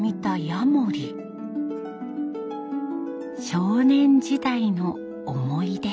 少年時代の思い出。